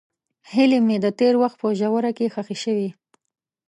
هیلې مې د تېر وخت په ژوره کې ښخې شوې.